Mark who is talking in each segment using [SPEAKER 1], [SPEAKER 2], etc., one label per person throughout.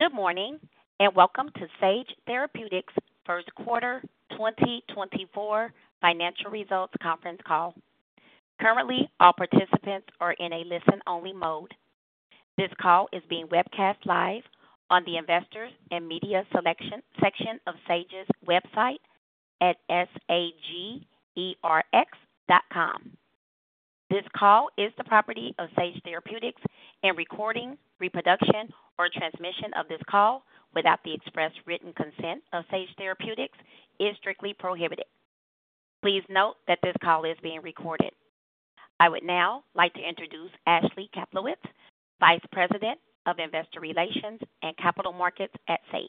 [SPEAKER 1] Good morning, and welcome to Sage Therapeutics' First Quarter 2024 Financial Results Conference Call. Currently, all participants are in a listen-only mode. This call is being webcast live on the Investors and Media section of Sage's website at sagerx.com. This call is the property of Sage Therapeutics, and recording, reproduction, or transmission of this call without the express written consent of Sage Therapeutics is strictly prohibited. Please note that this call is being recorded. I would now like to introduce Ashley Kaplowitz, Vice President of Investor Relations and Capital Markets at Sage.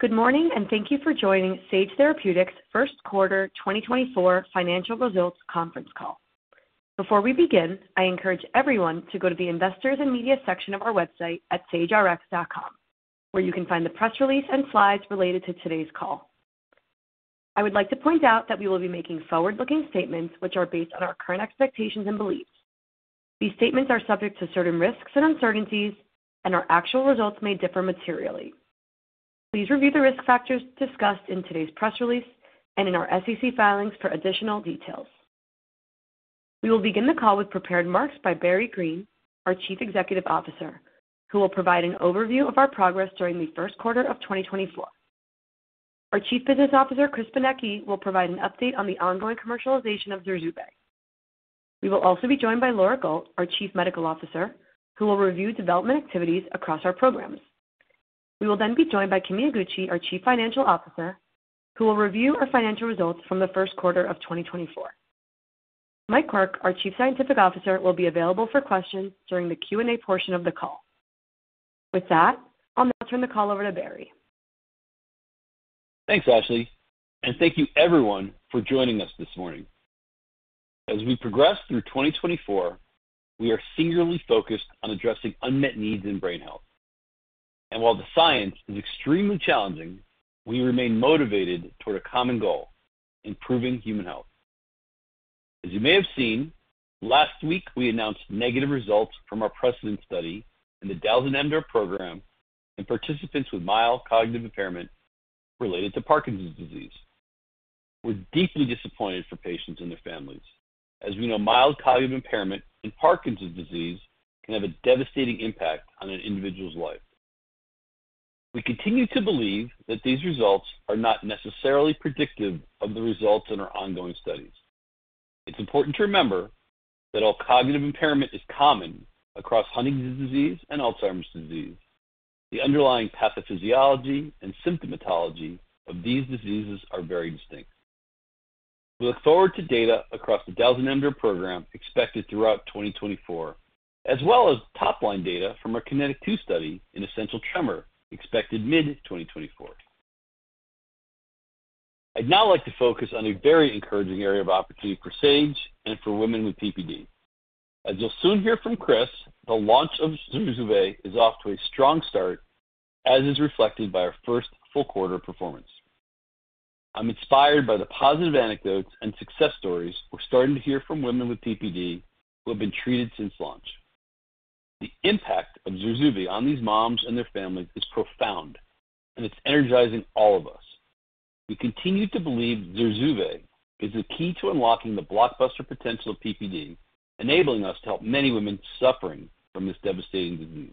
[SPEAKER 2] Good morning, and thank you for joining Sage Therapeutics' First Quarter 2024 Financial Results conference call. Before we begin, I encourage everyone to go to the Investors and Media section of our website at sagerx.com, where you can find the press release and slides related to today's call. I would like to point out that we will be making forward-looking statements which are based on our current expectations and beliefs. These statements are subject to certain risks and uncertainties, and our actual results may differ materially. Please review the risk factors discussed in today's press release and in our SEC filings for additional details. We will begin the call with prepared remarks by Barry Greene, our Chief Executive Officer, who will provide an overview of our progress during the first quarter of 2024. Our Chief Business Officer, Chris Benecchi, will provide an update on the ongoing commercialization of ZURZUVAE. We will also be joined by Laura Gault, our Chief Medical Officer, who will review development activities across our programs. We will then be joined by Kimi Iguchi, our Chief Financial Officer, who will review our financial results from the first quarter of 2024. Mike Quirk, our Chief Scientific Officer, will be available for questions during the Q&A portion of the call. With that, I'll now turn the call over to Barry.
[SPEAKER 3] Thanks, Ashley, and thank you everyone for joining us this morning. As we progress through 2024, we are singularly focused on addressing unmet needs in brain health. And while the science is extremely challenging, we remain motivated toward a common goal: improving human health. As you may have seen, last week, we announced negative results from our PRECEDENT study in the dalzanemdor program in participants with mild cognitive impairment related to Parkinson's disease. We're deeply disappointed for patients and their families. As we know, mild cognitive impairment in Parkinson's disease can have a devastating impact on an individual's life. We continue to believe that these results are not necessarily predictive of the results in our ongoing studies. It's important to remember that all cognitive impairment is common across Huntington's disease and Alzheimer's disease. The underlying pathophysiology and symptomatology of these diseases are very distinct. We look forward to data across the dalzanemdor program expected throughout 2024, as well as top-line data from our KINETIC 2 Study in essential tremor, expected mid-2024. I'd now like to focus on a very encouraging area of opportunity for Sage and for women with PPD. As you'll soon hear from Chris, the launch of ZURZUVAE is off to a strong start, as is reflected by our first full quarter performance. I'm inspired by the positive anecdotes and success stories we're starting to hear from women with PPD who have been treated since launch. The impact of ZURZUVAE on these moms and their families is profound, and it's energizing all of us. We continue to believe ZURZUVAE is the key to unlocking the blockbuster potential of PPD, enabling us to help many women suffering from this devastating disease.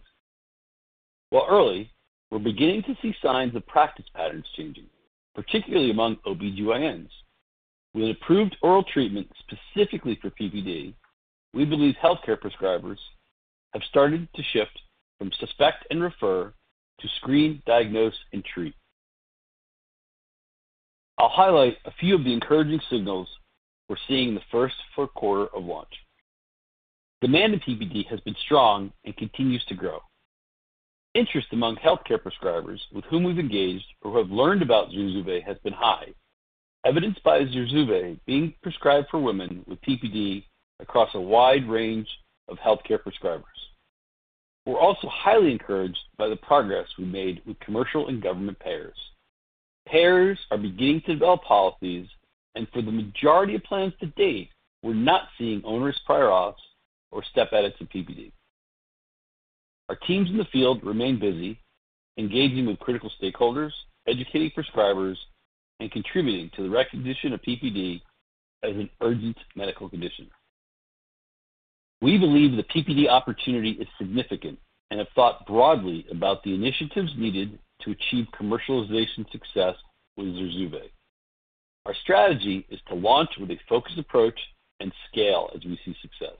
[SPEAKER 3] While early, we're beginning to see signs of practice patterns changing, particularly among OBGYNs. With approved oral treatment specifically for PPD, we believe healthcare prescribers have started to shift from suspect and refer to screen, diagnose, and treat. I'll highlight a few of the encouraging signals we're seeing in the first four quarters of launch. Demand in PPD has been strong and continues to grow. Interest among healthcare prescribers with whom we've engaged or who have learned about ZURZUVAE has been high, evidenced by ZURZUVAE being prescribed for women with PPD across a wide range of healthcare prescribers. We're also highly encouraged by the progress we made with commercial and government payers. Payers are beginning to develop policies, and for the majority of plans to date, we're not seeing onerous prior auths or step edits in PPD. Our teams in the field remain busy engaging with critical stakeholders, educating prescribers, and contributing to the recognition of PPD as an urgent medical condition. We believe the PPD opportunity is significant and have thought broadly about the initiatives needed to achieve commercialization success with ZURZUVAE. Our strategy is to launch with a focused approach and scale as we see success.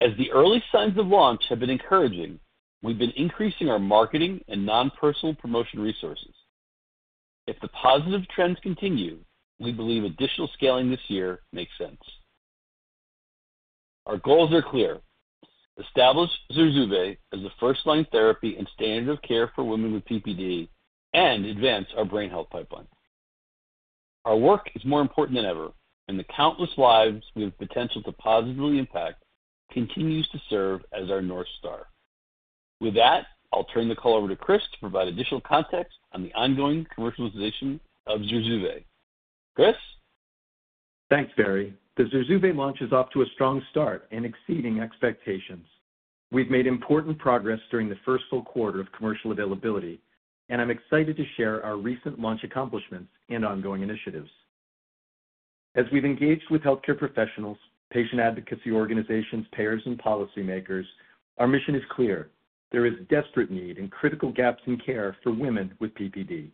[SPEAKER 3] As the early signs of launch have been encouraging, we've been increasing our marketing and non-personal promotion resources. If the positive trends continue, we believe additional scaling this year makes sense. Our goals are clear: establish ZURZUVAE as a first-line therapy and standard of care for women with PPD and advance our brain health pipeline. Our work is more important than ever, and the countless lives we have potential to positively impact continues to serve as our North Star. With that, I'll turn the call over to Chris to provide additional context on the ongoing commercialization of ZURZUVAE. Chris?
[SPEAKER 4] Thanks, Barry. The ZURZUVAE launch is off to a strong start and exceeding expectations. We've made important progress during the first full quarter of commercial availability, and I'm excited to share our recent launch accomplishments and ongoing initiatives. As we've engaged with healthcare professionals, patient advocacy organizations, payers, and policymakers, our mission is clear: There is desperate need and critical gaps in care for women with PPD.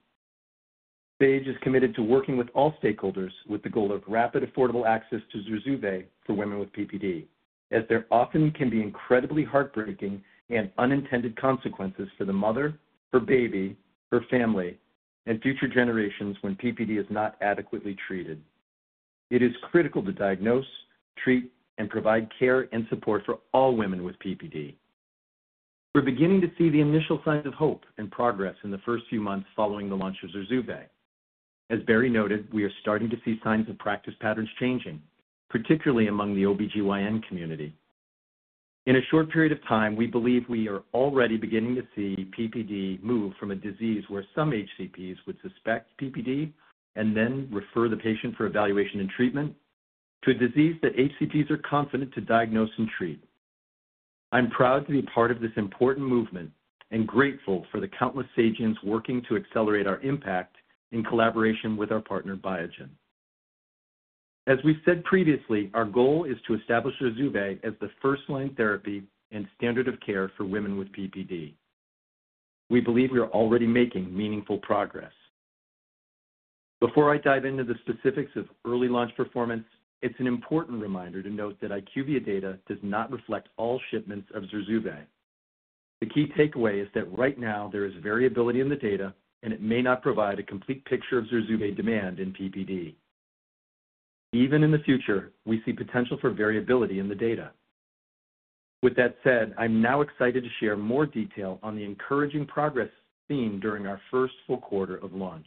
[SPEAKER 4] Sage is committed to working with all stakeholders with the goal of rapid, affordable access to ZURZUVAE for women with PPD, as there often can be incredibly heartbreaking and unintended consequences for the mother, her baby, her family, and future generations when PPD is not adequately treated. It is critical to diagnose, treat, and provide care and support for all women with PPD. We're beginning to see the initial signs of hope and progress in the first few months following the launch of ZURZUVAE. As Barry noted, we are starting to see signs of practice patterns changing, particularly among the OBGYN community. In a short period of time, we believe we are already beginning to see PPD move from a disease where some HCPs would suspect PPD and then refer the patient for evaluation and treatment, to a disease that HCPs are confident to diagnose and treat. I'm proud to be part of this important movement and grateful for the countless Sageans working to accelerate our impact in collaboration with our partner, Biogen. As we've said previously, our goal is to establish ZURZUVAE as the first-line therapy and standard of care for women with PPD. We believe we are already making meaningful progress. Before I dive into the specifics of early launch performance, it's an important reminder to note that IQVIA data does not reflect all shipments of ZURZUVAE. The key takeaway is that right now there is variability in the data, and it may not provide a complete picture of ZURZUVAE demand in PPD. Even in the future, we see potential for variability in the data. With that said, I'm now excited to share more detail on the encouraging progress seen during our first full quarter of launch.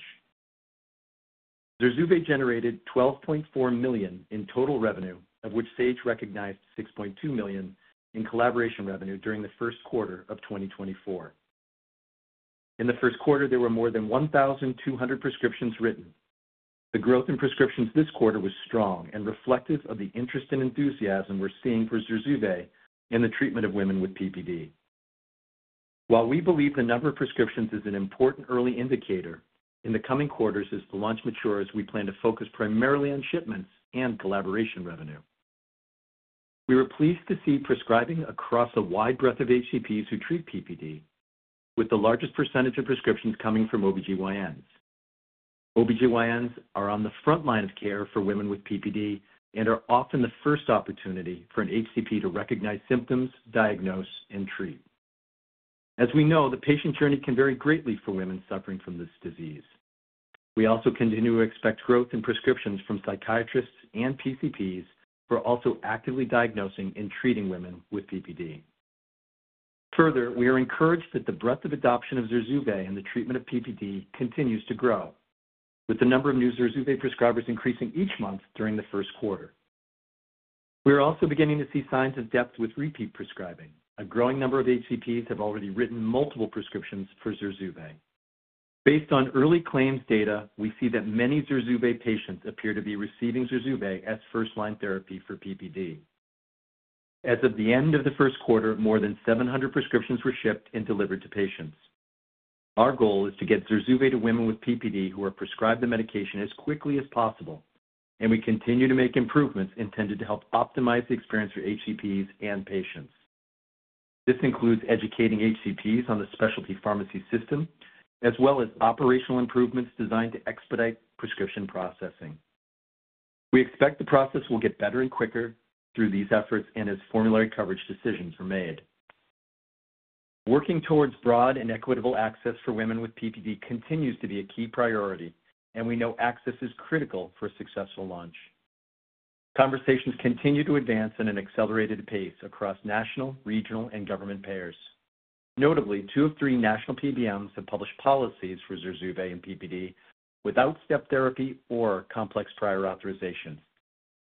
[SPEAKER 4] ZURZUVAE generated $12.4 million in total revenue, of which Sage recognized $6.2 million in collaboration revenue during the first quarter of 2024. In the first quarter, there were more than 1,200 prescriptions written. The growth in prescriptions this quarter was strong and reflective of the interest and enthusiasm we're seeing for ZURZUVAE in the treatment of women with PPD. While we believe the number of prescriptions is an important early indicator, in the coming quarters, as the launch matures, we plan to focus primarily on shipments and collaboration revenue. We were pleased to see prescribing across a wide breadth of HCPs who treat PPD, with the largest percentage of prescriptions coming from OBGYNs. OBGYNs are on the front line of care for women with PPD and are often the first opportunity for an HCP to recognize symptoms, diagnose, and treat. As we know, the patient journey can vary greatly for women suffering from this disease. We also continue to expect growth in prescriptions from psychiatrists and PCPs, who are also actively diagnosing and treating women with PPD. Further, we are encouraged that the breadth of adoption of ZURZUVAE in the treatment of PPD continues to grow, with the number of new ZURZUVAE prescribers increasing each month during the first quarter. We are also beginning to see signs of depth with repeat prescribing. A growing number of HCPs have already written multiple prescriptions for ZURZUVAE. Based on early claims data, we see that many ZURZUVAE patients appear to be receiving ZURZUVAE as first-line therapy for PPD. As of the end of the first quarter, more than 700 prescriptions were shipped and delivered to patients. Our goal is to get ZURZUVAE to women with PPD who are prescribed the medication as quickly as possible, and we continue to make improvements intended to help optimize the experience for HCPs and patients. This includes educating HCPs on the specialty pharmacy system, as well as operational improvements designed to expedite prescription processing. We expect the process will get better and quicker through these efforts and as formulary coverage decisions are made. Working towards broad and equitable access for women with PPD continues to be a key priority, and we know access is critical for a successful launch. Conversations continue to advance at an accelerated pace across national, regional, and government payers. Notably, two of three national PBMs have published policies for ZURZUVAE and PPD without step therapy or complex prior authorization,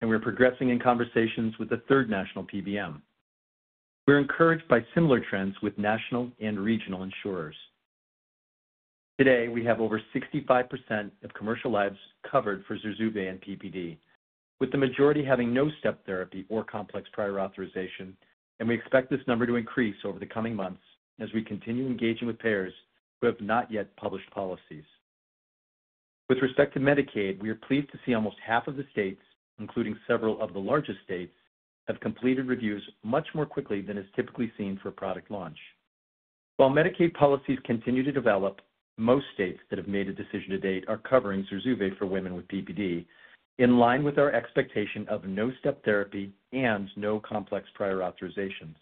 [SPEAKER 4] and we're progressing in conversations with a third national PBM. We're encouraged by similar trends with national and regional insurers. Today, we have over 65% of commercial lives covered for ZURZUVAE and PPD, with the majority having no step therapy or complex prior authorization, and we expect this number to increase over the coming months as we continue engaging with payers who have not yet published policies. With respect to Medicaid, we are pleased to see almost half of the states, including several of the largest states, have completed reviews much more quickly than is typically seen for a product launch. While Medicaid policies continue to develop, most states that have made a decision to date are covering ZURZUVAE for women with PPD, in line with our expectation of no step therapy and no complex prior authorizations.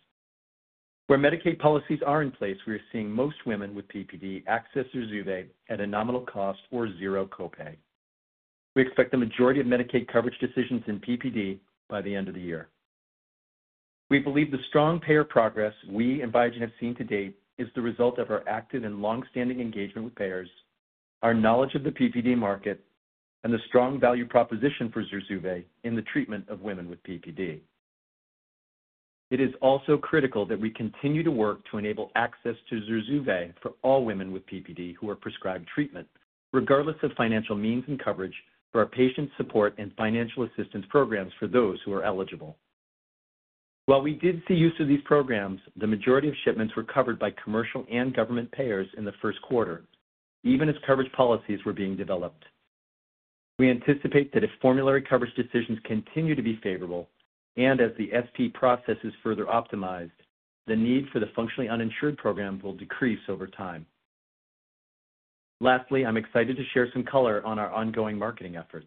[SPEAKER 4] Where Medicaid policies are in place, we are seeing most women with PPD access ZURZUVAE at a nominal cost or zero copay. We expect the majority of Medicaid coverage decisions in PPD by the end of the year. We believe the strong payer progress we and Biogen have seen to date is the result of our active and long-standing engagement with payers, our knowledge of the PPD market, and the strong value proposition for ZURZUVAE in the treatment of women with PPD. It is also critical that we continue to work to enable access to ZURZUVAE for all women with PPD who are prescribed treatment, regardless of financial means and coverage, through our patient support and financial assistance programs for those who are eligible. While we did see use of these programs, the majority of shipments were covered by commercial and government payers in the first quarter, even as coverage policies were being developed. We anticipate that if formulary coverage decisions continue to be favorable, and as the SP process is further optimized, the need for the functionally uninsured program will decrease over time. Lastly, I'm excited to share some color on our ongoing marketing efforts.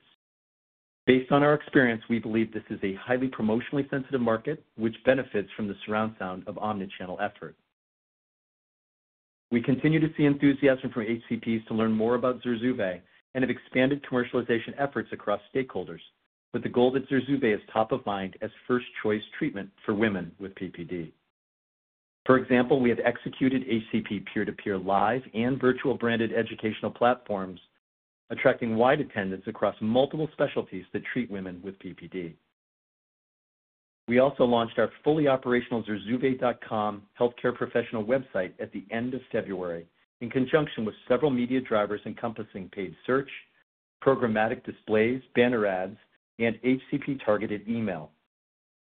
[SPEAKER 4] Based on our experience, we believe this is a highly promotionally sensitive market, which benefits from the surround sound of omni-channel effort. We continue to see enthusiasm from HCPs to learn more about ZURZUVAE and have expanded commercialization efforts across stakeholders, with the goal that ZURZUVAE is top of mind as first choice treatment for women with PPD. For example, we have executed HCP peer-to-peer live and virtual branded educational platforms, attracting wide attendance across multiple specialties that treat women with PPD. We also launched our fully operational zurzuvae.com healthcare professional website at the end of February, in conjunction with several media drivers encompassing paid search, programmatic displays, banner ads, and HCP-targeted email.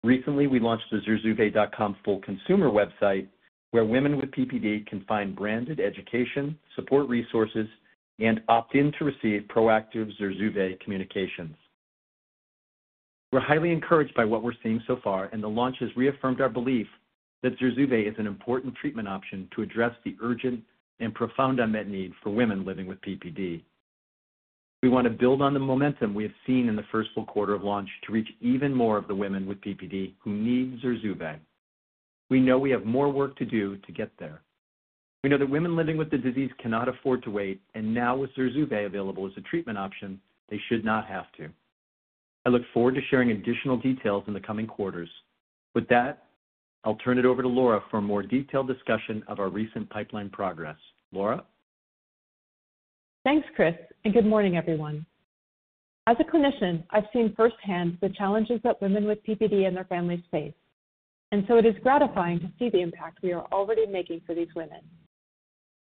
[SPEAKER 4] Recently, we launched the zurzuvae.com full consumer website, where women with PPD can find branded education, support resources, and opt in to receive proactive ZURZUVAE communications. We're highly encouraged by what we're seeing so far, and the launch has reaffirmed our belief that ZURZUVAE is an important treatment option to address the urgent and profound unmet need for women living with PPD. We want to build on the momentum we have seen in the first full quarter of launch to reach even more of the women with PPD who need ZURZUVAE. We know we have more work to do to get there. We know that women living with the disease cannot afford to wait, and now with ZURZUVAE available as a treatment option, they should not have to. I look forward to sharing additional details in the coming quarters. With that, I'll turn it over to Laura for a more detailed discussion of our recent pipeline progress. Laura?
[SPEAKER 5] Thanks, Chris, and good morning, everyone. As a clinician, I've seen firsthand the challenges that women with PPD and their families face, and so it is gratifying to see the impact we are already making for these women.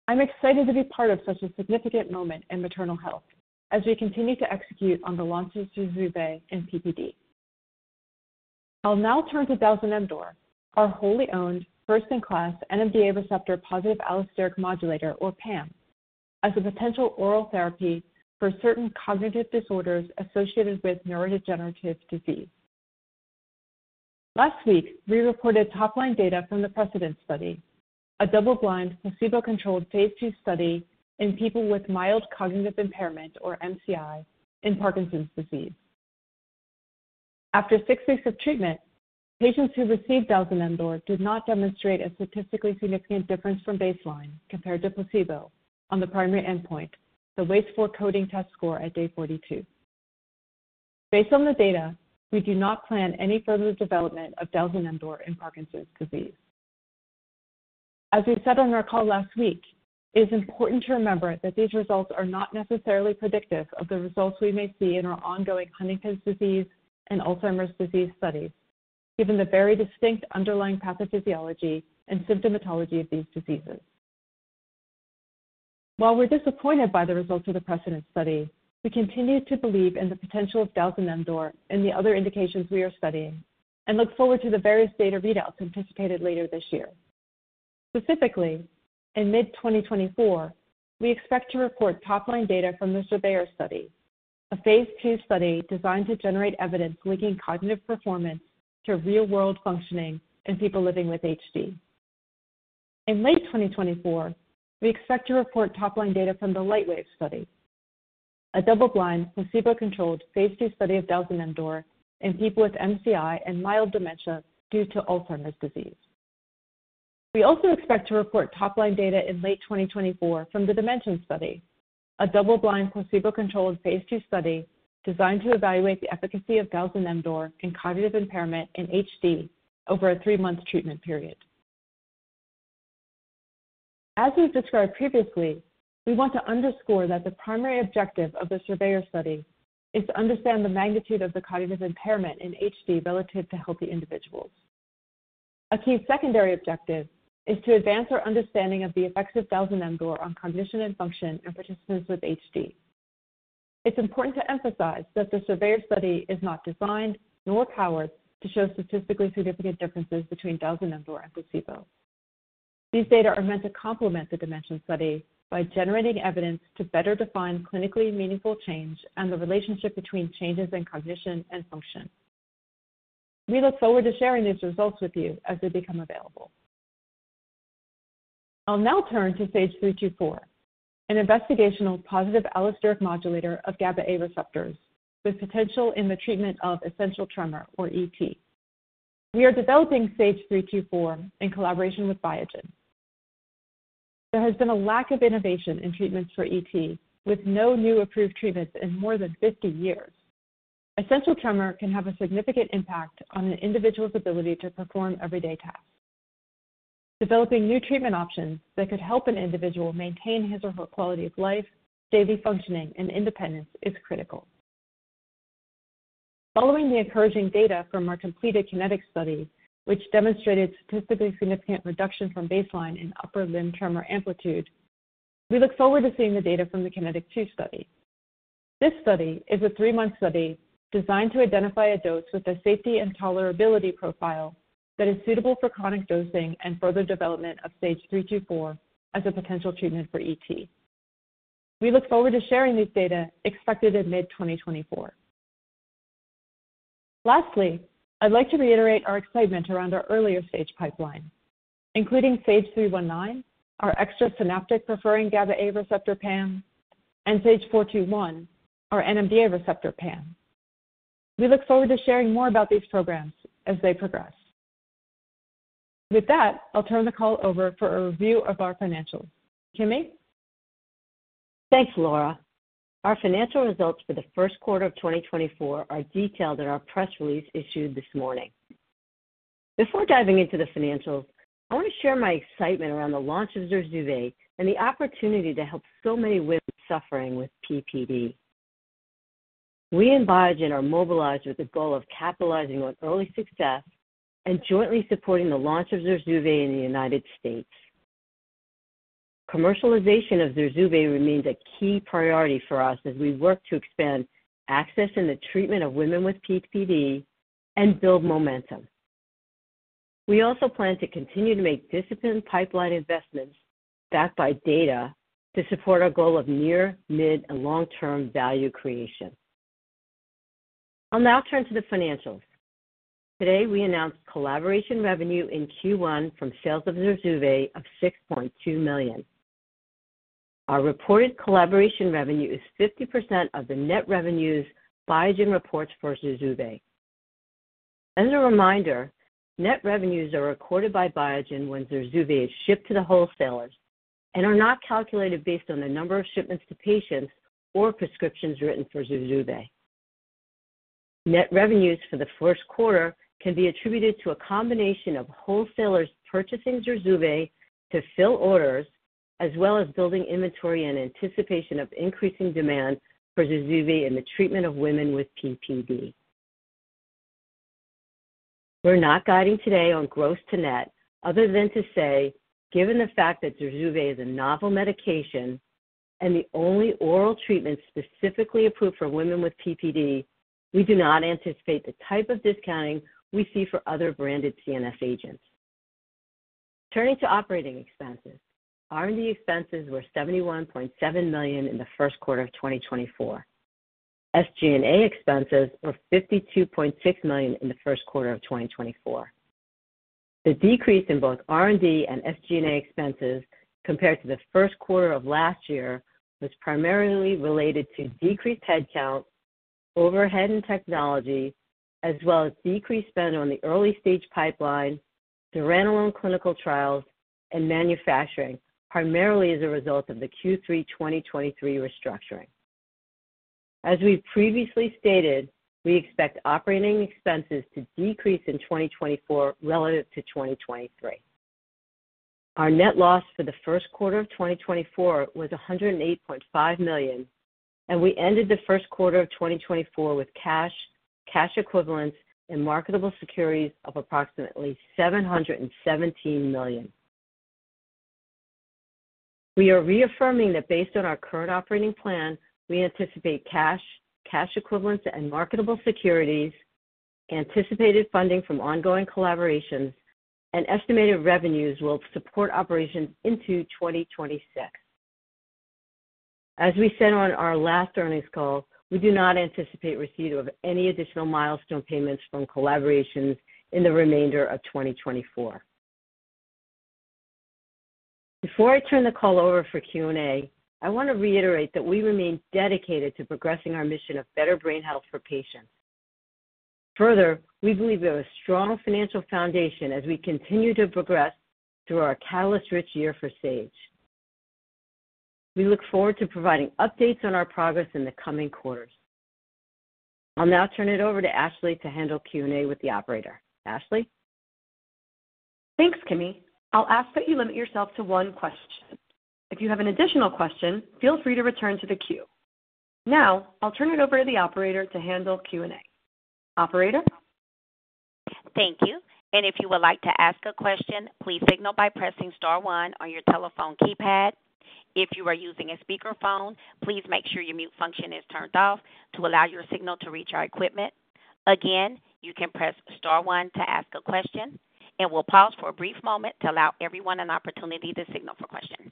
[SPEAKER 5] I'm excited to be part of such a significant moment in maternal health as we continue to execute on the launch of ZURZUVAE in PPD. I'll now turn to dalzanemdor, our wholly owned, first-in-class NMDA receptor positive allosteric modulator, or PAM, as a potential oral therapy for certain cognitive disorders associated with neurodegenerative disease. Last week, we reported top-line data from the PRECEDENT Study, a double-blind, placebo-controlled Phase 2 study in people with mild cognitive impairment, or MCI, in Parkinson's disease. After six weeks of treatment, patients who received dalzanemdor did not demonstrate a statistically significant difference from baseline compared to placebo on the primary endpoint, the WAIS-IV coding test score at day 42. Based on the data, we do not plan any further development of dalzanemdor in Parkinson's disease. As we said on our call last week, it is important to remember that these results are not necessarily predictive of the results we may see in our ongoing Huntington's disease and Alzheimer's disease studies, given the very distinct underlying pathophysiology and symptomatology of these diseases. While we're disappointed by the results of the PRECEDENT Study, we continue to believe in the potential of dalzanemdor in the other indications we are studying and look forward to the various data readouts anticipated later this year. Specifically, in mid-2024, we expect to report top-line data from the SURVEYOR Study, a Phase 2 study designed to generate evidence linking cognitive performance to real-world functioning in people living with HD. In late 2024, we expect to report top-line data from the LIGHTWAVE Study, a double-blind, placebo-controlled Phase 2 study of dalzanemdor in people with MCI and mild dementia due to Alzheimer's disease. We also expect to report top-line data in late 2024 from the DIMENSION study, a double-blind, placebo-controlled Phase 2 study designed to evaluate the efficacy of dalzanemdor in cognitive impairment in HD over a three-month treatment period. As we've described previously, we want to underscore that the primary objective of the SURVEYOR Study is to understand the magnitude of the cognitive impairment in HD relative to healthy individuals. A key secondary objective is to advance our understanding of the effects of dalzanemdor on cognition and function in participants with HD. It's important to emphasize that the SURVEYOR Study is not designed nor powered to show statistically significant differences between dalzanemdor and placebo. These data are meant to complement the DIMENSION study by generating evidence to better define clinically meaningful change and the relationship between changes in cognition and function. We look forward to sharing these results with you as they become available. I'll now turn to SAGE-324, an investigational positive allosteric modulator of GABA-A receptors with potential in the treatment of essential tremor, or ET. We are developing SAGE-324 in collaboration with Biogen. There has been a lack of innovation in treatments for ET, with no new approved treatments in more than 50 years. Essential tremor can have a significant impact on an individual's ability to perform everyday tasks.... developing new treatment options that could help an individual maintain his or her quality of life, daily functioning, and independence is critical. Following the encouraging data from our completed KINETIC Study, which demonstrated statistically significant reduction from baseline in upper limb tremor amplitude, we look forward to seeing the data from the KINETIC 2 Study. This study is a 3-month study designed to identify a dose with a safety and tolerability profile that is suitable for chronic dosing and further development of SAGE-324 as a potential treatment for ET. We look forward to sharing these data, expected in mid-2024. Lastly, I'd like to reiterate our excitement around our earlier SAGE pipeline, including SAGE-319, our extrasynaptic-preferring GABA-A receptor PAM, and SAGE-421, our NMDA receptor PAM. We look forward to sharing more about these programs as they progress. With that, I'll turn the call over for a review of our financials. Kimi?
[SPEAKER 6] Thanks, Laura. Our financial results for the first quarter of 2024 are detailed in our press release issued this morning. Before diving into the financials, I want to share my excitement around the launch of ZURZUVAE and the opportunity to help so many women suffering with PPD. We in Biogen are mobilized with the goal of capitalizing on early success and jointly supporting the launch of ZURZUVAE in the United States. Commercialization of ZURZUVAE remains a key priority for us as we work to expand access in the treatment of women with PPD and build momentum. We also plan to continue to make disciplined pipeline investments backed by data to support our goal of near, mid, and long-term value creation. I'll now turn to the financials. Today, we announced collaboration revenue in Q1 from sales of ZURZUVAE of $6.2 million. Our reported collaboration revenue is 50% of the net revenues Biogen reports for ZURZUVAE. As a reminder, net revenues are recorded by Biogen when ZURZUVAE is shipped to the wholesalers and are not calculated based on the number of shipments to patients or prescriptions written for ZURZUVAE. Net revenues for the first quarter can be attributed to a combination of wholesalers purchasing ZURZUVAE to fill orders, as well as building inventory in anticipation of increasing demand for ZURZUVAE in the treatment of women with PPD. We're not guiding today on gross to net, other than to say, given the fact that ZURZUVAE is a novel medication and the only oral treatment specifically approved for women with PPD, we do not anticipate the type of discounting we see for other branded CNS agents. Turning to operating expenses. R&D expenses were $71.7 million in the first quarter of 2024. SG&A expenses were $52.6 million in the first quarter of 2024. The decrease in both R&D and SG&A expenses compared to the first quarter of last year was primarily related to decreased headcount, overhead, and technology, as well as decreased spend on the early stage pipeline, clinical trials, and manufacturing, primarily as a result of the Q3 2023 restructuring. As we've previously stated, we expect operating expenses to decrease in 2024 relative to 2023. Our net loss for the first quarter of 2024 was $108.5 million, and we ended the first quarter of 2024 with cash, cash equivalents, and marketable securities of approximately $717 million. We are reaffirming that based on our current operating plan, we anticipate cash, cash equivalents, and marketable securities, anticipated funding from ongoing collaborations, and estimated revenues will support operations into 2026. As we said on our last earnings call, we do not anticipate receipt of any additional milestone payments from collaborations in the remainder of 2024. Before I turn the call over for Q&A, I want to reiterate that we remain dedicated to progressing our mission of better brain health for patients. Further, we believe we have a strong financial foundation as we continue to progress through our catalyst-rich year for Sage. We look forward to providing updates on our progress in the coming quarters. I'll now turn it over to Ashley to handle Q&A with the operator. Ashley?
[SPEAKER 2] Thanks, Kimi. I'll ask that you limit yourself to one question. If you have an additional question, feel free to return to the queue. Now, I'll turn it over to the operator to handle Q&A. Operator?
[SPEAKER 1] Thank you. If you would like to ask a question, please signal by pressing star one on your telephone keypad. If you are using a speakerphone, please make sure your mute function is turned off to allow your signal to reach our equipment. Again, you can press star one to ask a question, and we'll pause for a brief moment to allow everyone an opportunity to signal for questions.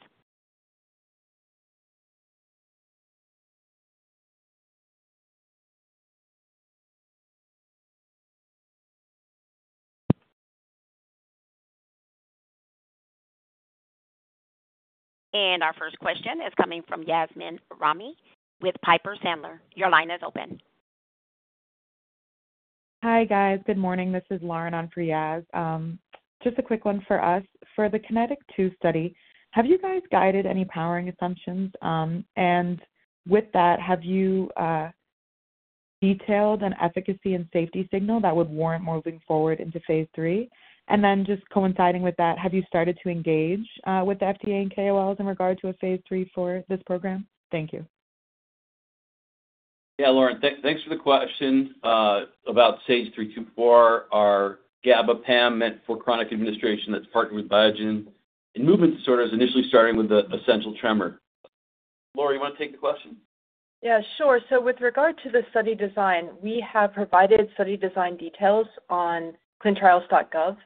[SPEAKER 1] Our first question is coming from Yasmeen Rahimi with Piper Sandler. Your line is open.
[SPEAKER 7] Hi, guys. Good morning. This is Lauren on for Yas. Just a quick one for us. For the KINETIC 2 study, have you guys guided any powering assumptions? And with that, have you detailed an efficacy and safety signal that would warrant moving forward into phase three? And then just coinciding with that, have you started to engage with the FDA and KOLs in regard to a phase three for this program? Thank you.
[SPEAKER 3] Yeah, Lauren, thanks, thanks for the question about SAGE-324, our GABAA PAM meant for chronic administration that's partnered with Biogen. In movement disorders, initially starting with the essential tremor. Laura, you want to take the question?
[SPEAKER 5] Yeah, sure. So with regard to the study design, we have provided study design details on clinicaltrials.gov,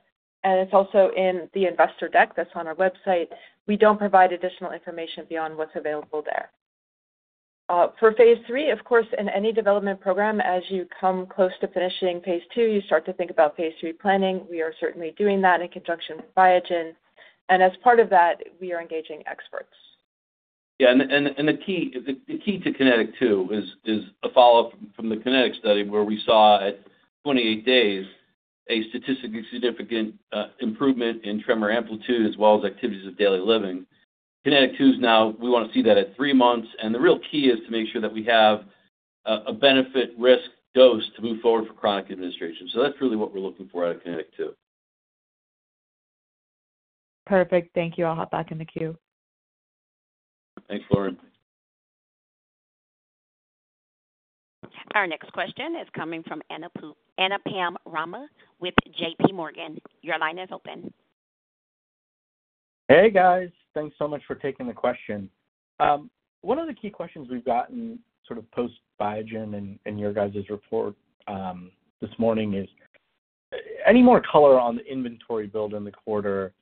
[SPEAKER 5] and it's also in the investor deck that's on our website. We don't provide additional information beyond what's available there. For phase 3, of course, in any development program, as you come close to finishing phase 2, you start to think about phase 3 planning. We are certainly doing that in conjunction with Biogen, and as part of that, we are engaging experts.
[SPEAKER 3] Yeah, the key to KINETIC 2 is a follow-up from the kinetic study, where we saw at 28 days a statistically significant improvement in tremor amplitude as well as activities of daily living. KINETIC 2 is now; we want to see that at three months, and the real key is to make sure that we have a benefit risk dose to move forward for chronic administration. So that's really what we're looking for out of KINETIC 2.
[SPEAKER 7] Perfect. Thank you. I'll hop back in the queue.
[SPEAKER 3] Thanks, Lauren.
[SPEAKER 1] Our next question is coming from Anupam Rama with J.P. Morgan. Your line is open.
[SPEAKER 8] Hey, guys. Thanks so much for taking the question. One of the key questions we've gotten sort of post Biogen and your guys' report this morning is, any more color on the inventory build in the quarter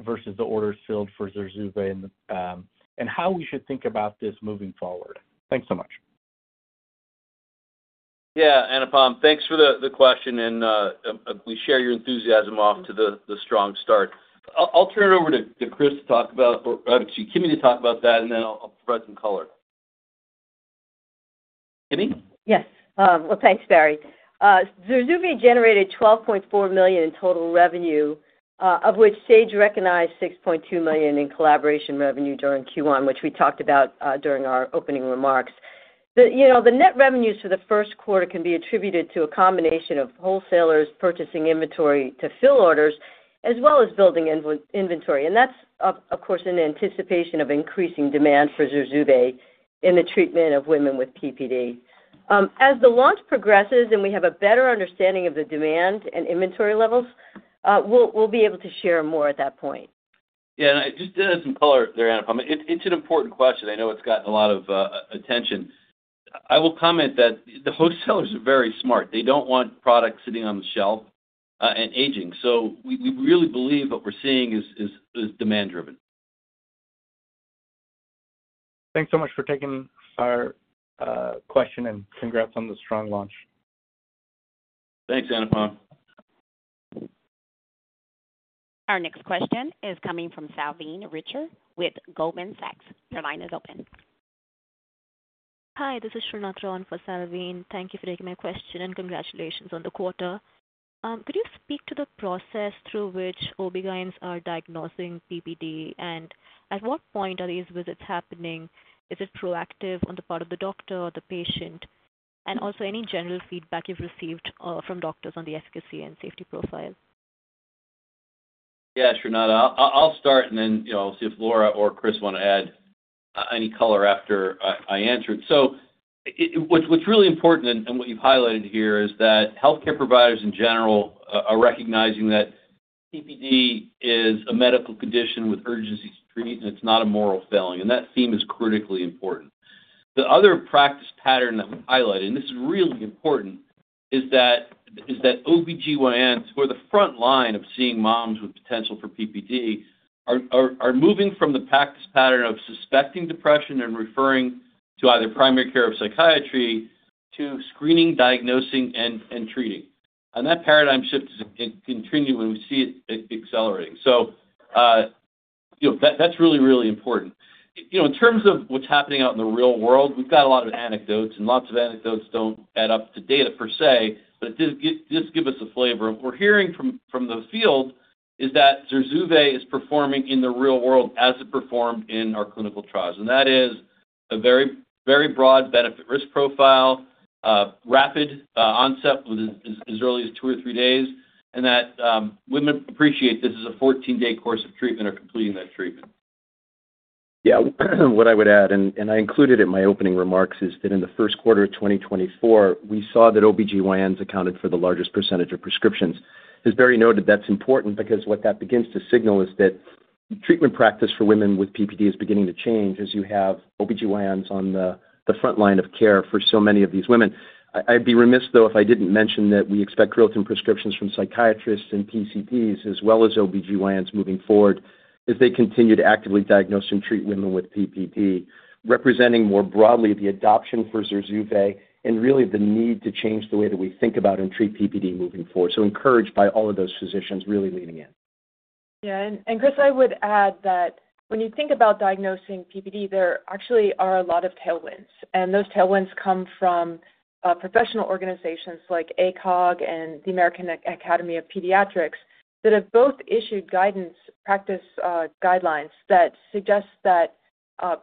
[SPEAKER 8] versus the orders filled for ZURZUVAE and how we should think about this moving forward? Thanks so much.
[SPEAKER 3] Yeah, Anupam, thanks for the question, and we share your enthusiasm off to a strong start. I'll turn it over to Chris to talk about, or excuse me, Kimi, to talk about that, and then I'll provide some color. Kimi?
[SPEAKER 6] Yes. Well, thanks, Barry. ZURZUVAE generated $12.4 million in total revenue, of which Sage recognized $6.2 million in collaboration revenue during Q1, which we talked about during our opening remarks. The, you know, the net revenues for the first quarter can be attributed to a combination of wholesalers purchasing inventory to fill orders, as well as building inventory. And that's, of course, in anticipation of increasing demand for ZURZUVAE in the treatment of women with PPD. As the launch progresses and we have a better understanding of the demand and inventory levels, we'll be able to share more at that point.
[SPEAKER 3] Yeah, and I just add some color there, Anupam. It's an important question. I know it's gotten a lot of attention. I will comment that the wholesalers are very smart. They don't want products sitting on the shelf, and aging. So we really believe what we're seeing is demand-driven.
[SPEAKER 8] Thanks so much for taking our question, and congrats on the strong launch.
[SPEAKER 3] Thanks, Anupam.
[SPEAKER 1] Our next question is coming from Salveen Richter with Goldman Sachs. Your line is open.
[SPEAKER 9] Hi, this is Shreenath on for Salveen. Thank you for taking my question, and congratulations on the quarter. Could you speak to the process through which OBGYNs are diagnosing PPD, and at what point are these visits happening? Is it proactive on the part of the doctor or the patient? And also any general feedback you've received from doctors on the efficacy and safety profile.
[SPEAKER 3] Yeah, Shreenath, I'll start, and then, you know, I'll see if Laura or Chris want to add any color after I answer. So what's really important, and what you've highlighted here, is that healthcare providers in general are recognizing that PPD is a medical condition with urgency to treat, and it's not a moral failing, and that theme is critically important. The other practice pattern that we highlighted, and this is really important, is that OBGYNs, who are the front line of seeing moms with potential for PPD, are moving from the practice pattern of suspecting depression and referring to either primary care or psychiatry, to screening, diagnosing, and treating. And that paradigm shift is continuing, and we see it accelerating. So, you know, that's really, really important. You know, in terms of what's happening out in the real world, we've got a lot of anecdotes, and lots of anecdotes don't add up to data per se, but just give, just give us a flavor. What we're hearing from, from the field is that ZURZUVAE is performing in the real world as it performed in our clinical trials, and that is a very, very broad benefit-risk profile, rapid onset within as early as 2 or 3 days, and that women appreciate this is a 14-day course of treatment are completing that treatment.
[SPEAKER 4] Yeah. What I would add, and, and I included in my opening remarks, is that in the first quarter of 2024, we saw that OBGYNs accounted for the largest percentage of prescriptions. As Barry noted, that's important because what that begins to signal is that treatment practice for women with PPD is beginning to change as you have OBGYNs on the, the front line of care for so many of these women. I'd be remiss, though, if I didn't mention that we expect growth in prescriptions from psychiatrists and PCPs, as well as OBGYNs moving forward as they continue to actively diagnose and treat women with PPD, representing more broadly the adoption for ZURZUVAE and really the need to change the way that we think about and treat PPD moving forward. So encouraged by all of those physicians really leaning in.
[SPEAKER 5] Yeah, and, and Chris, I would add that when you think about diagnosing PPD, there actually are a lot of tailwinds, and those tailwinds come from professional organizations like ACOG and the American Academy of Pediatrics that have both issued guidance, practice guidelines that suggest that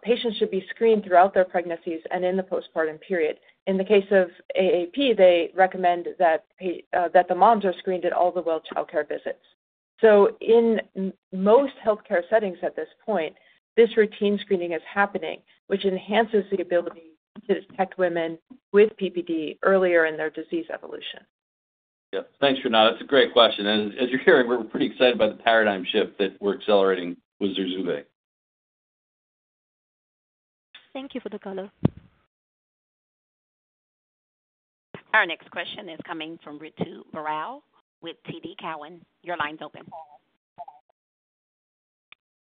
[SPEAKER 5] patients should be screened throughout their pregnancies and in the postpartum period. In the case of AAP, they recommend that the moms are screened at all the well-child care visits. So in most healthcare settings at this point, this routine screening is happening, which enhances the ability to detect women with PPD earlier in their disease evolution.
[SPEAKER 3] Yeah. Thanks, Shreenath. It's a great question, and as you're hearing, we're pretty excited about the paradigm shift that we're accelerating with ZURZUVAE.
[SPEAKER 9] Thank you for the call.
[SPEAKER 1] Our next question is coming from Ritu Baral with TD Cowen. Your line's open.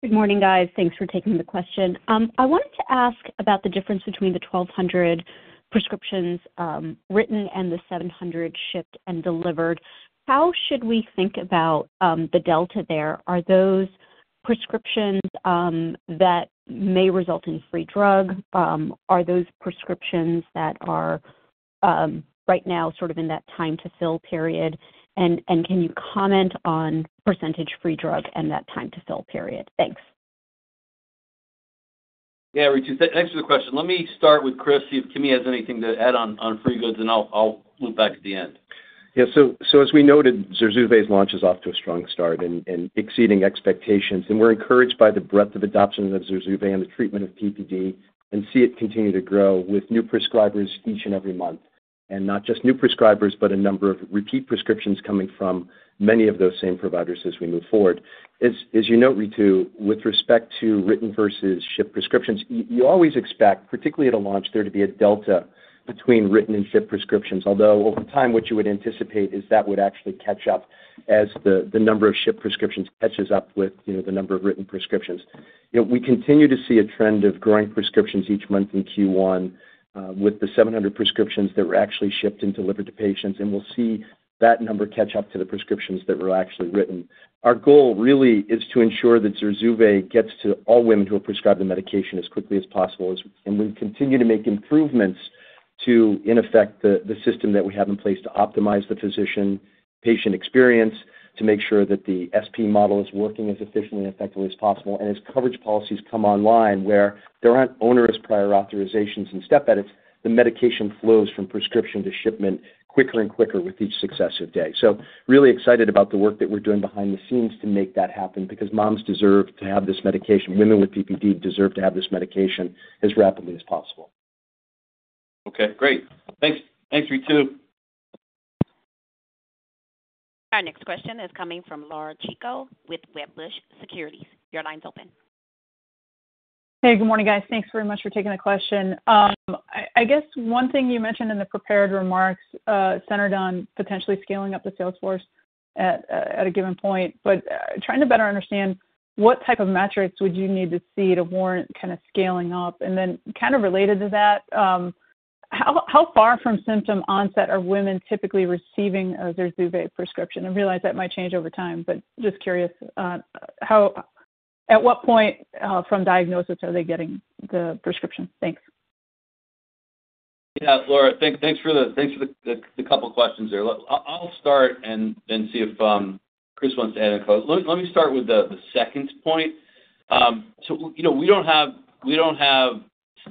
[SPEAKER 10] Good morning, guys. Thanks for taking the question. I wanted to ask about the difference between the 1,200 prescriptions written and the 700 shipped and delivered. How should we think about the delta there? Are those prescriptions that may result in free drug? Are those prescriptions that are right now sort of in that time to fill period? And can you comment on percentage free drug and that time to fill period? Thanks.
[SPEAKER 3] Yeah, Ritu, thanks for the question. Let me start with Chris, see if Kimi has anything to add on free goods, and I'll loop back at the end.
[SPEAKER 4] Yeah, so as we noted, ZURZUVAE's launch is off to a strong start and exceeding expectations. And we're encouraged by the breadth of adoption of ZURZUVAE and the treatment of PPD and see it continue to grow with new prescribers each and every month. And not just new prescribers, but a number of repeat prescriptions coming from many of those same providers as we move forward. As you note, Ritu, with respect to written versus shipped prescriptions, you always expect, particularly at a launch, there to be a delta between written and shipped prescriptions. Although over time, what you would anticipate is that would actually catch up as the number of shipped prescriptions catches up with, you know, the number of written prescriptions. You know, we continue to see a trend of growing prescriptions each month in Q1, with the 700 prescriptions that were actually shipped and delivered to patients, and we'll see that number catch up to the prescriptions that were actually written. Our goal really is to ensure that ZURZUVAE gets to all women who are prescribed the medication as quickly as possible. And we continue to make improvements to, in effect, the system that we have in place to optimize the physician, patient experience, to make sure that the SP model is working as efficiently and effectively as possible. And as coverage policies come online, where there aren't onerous prior authorizations and step edits, the medication flows from prescription to shipment quicker and quicker with each successive day. Really excited about the work that we're doing behind the scenes to make that happen, because moms deserve to have this medication. Women with PPD deserve to have this medication as rapidly as possible.
[SPEAKER 3] Okay, great. Thanks. Thanks, Ritu.
[SPEAKER 1] Our next question is coming from Laura Chico with Wedbush Securities. Your line's open.
[SPEAKER 11] Hey, good morning, guys. Thanks very much for taking the question. I guess one thing you mentioned in the prepared remarks centered on potentially scaling up the sales force at a given point, but trying to better understand what type of metrics would you need to see to warrant kind of scaling up? And then kind of related to that, how far from symptom onset are women typically receiving a ZURZUVAE prescription? I realize that might change over time, but just curious, at what point from diagnosis are they getting the prescription? Thanks.
[SPEAKER 3] Yeah, Laura, thanks for the couple questions there. Let me start and then see if Chris wants to add any comments. Let me start with the second point. So, you know, we don't have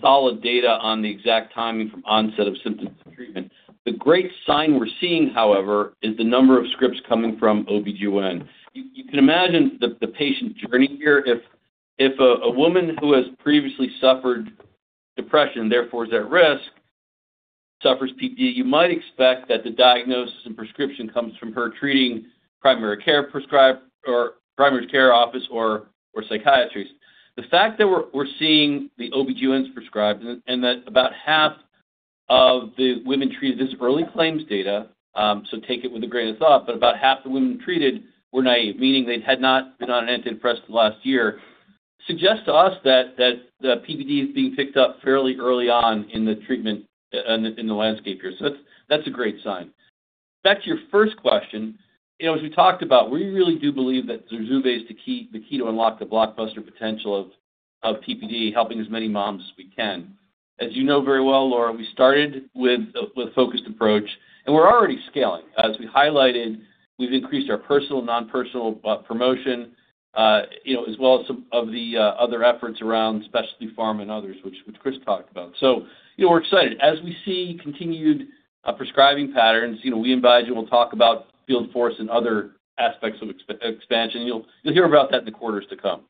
[SPEAKER 3] solid data on the exact timing from onset of symptoms to treatment. The great sign we're seeing, however, is the number of scripts coming from OBGYN. You can imagine the patient journey here. If a woman who has previously suffered depression, therefore is at risk, suffers PPD, you might expect that the diagnosis and prescription comes from her treating primary care prescriber or primary care office or psychiatrist. The fact that we're seeing the OBGYNs prescribe and that about half of the women treated, this is early claims data, so take it with a grain of salt, but about half the women treated were naive, meaning they had not been on antidepressant last year, suggests to us that the PPD is being picked up fairly early on in the treatment, in the landscape here. So that's a great sign. Back to your first question. You know, as we talked about, we really do believe that ZURZUVAE is the key, the key to unlock the blockbuster potential of PPD, helping as many moms as we can. As you know very well, Laura, we started with a focused approach, and we're already scaling. As we highlighted, we've increased our personal and non-personal promotion, you know, as well as some of the other efforts around specialty pharma and others, which Chris talked about. So, you know, we're excited. As we see continued prescribing patterns, you know, we invite you, we'll talk about field force and other aspects of expansion. You'll hear about that in the quarters to come.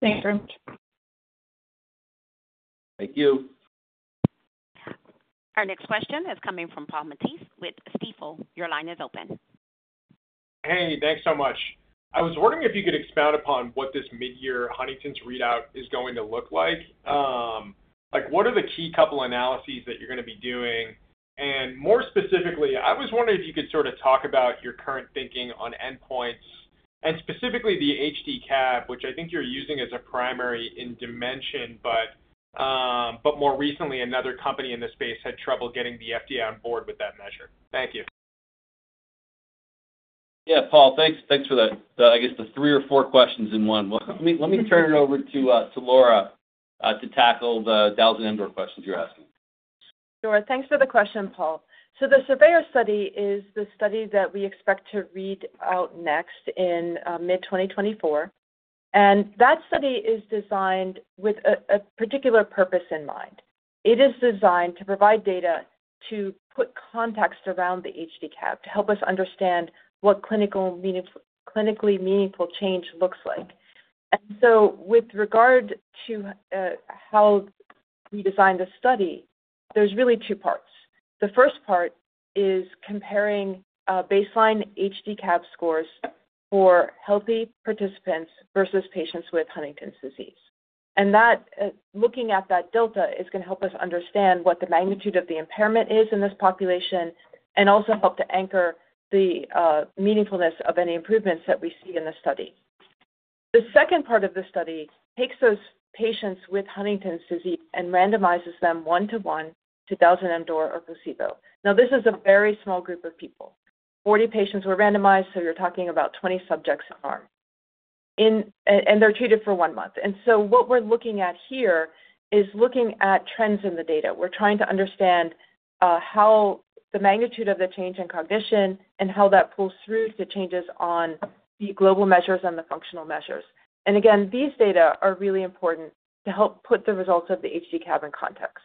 [SPEAKER 11] Thanks very much.
[SPEAKER 3] Thank you.
[SPEAKER 1] Our next question is coming from Paul Matteis with Stifel. Your line is open.
[SPEAKER 12] Hey, thanks so much. I was wondering if you could expound upon what this mid-year Huntington's readout is going to look like. Like, what are the key couple analyses that you're gonna be doing? And more specifically, I was wondering if you could sort of talk about your current thinking on endpoints and specifically the HD-CAB, which I think you're using as a primary endpoint, but, but more recently, another company in this space had trouble getting the FDA on board with that measure. Thank you.
[SPEAKER 3] Yeah, Paul, thanks for the, I guess, the three or four questions in one. Well, let me turn it over to Laura to tackle the dalzanemdor questions you're asking.
[SPEAKER 5] Sure. Thanks for the question, Paul. So the SURVEYOR Study is the study that we expect to read out next in mid-2024, and that study is designed with a particular purpose in mind. It is designed to provide data, to put context around the HD-CAB, to help us understand what clinical meaning, clinically meaningful change looks like. And so with regard to how we designed the study, there's really two parts. The first part is comparing baseline HD-CAB scores for healthy participants versus patients with Huntington's disease. And that looking at that delta is going to help us understand what the magnitude of the impairment is in this population and also help to anchor the meaningfulness of any improvements that we see in the study. The second part of the study takes those patients with Huntington's disease and randomizes them 1:1 to dalzanemdor or placebo. Now, this is a very small group of people. 40 patients were randomized, so you're talking about 20 subjects per arm. And they're treated for one month. And so what we're looking at here is looking at trends in the data. We're trying to understand how the magnitude of the change in cognition and how that pulls through to changes on the global measures and the functional measures. And again, these data are really important to help put the results of the HD-CAB in context.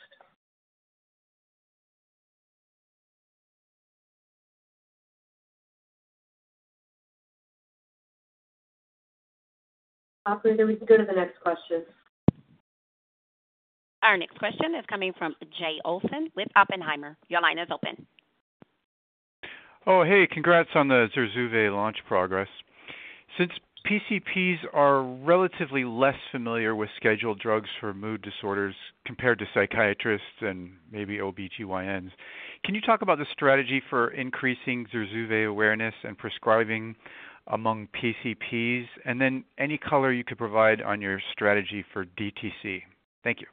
[SPEAKER 2] Operator, we can go to the next question.
[SPEAKER 1] Our next question is coming from Jay Olson with Oppenheimer. Your line is open.
[SPEAKER 13] Oh, hey, congrats on the ZURZUVAE launch progress. Since PCPs are relatively less familiar with scheduled drugs for mood disorders compared to psychiatrists and maybe OB-GYNs, can you talk about the strategy for increasing ZURZUVAE awareness and prescribing among PCPs? And then any color you could provide on your strategy for DTC. Thank you.